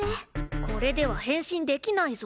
これでは変身できないぞ。